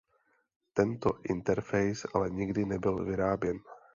Tento interface ale nikdy nebyl vyráběn.